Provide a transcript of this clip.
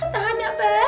tahan ya be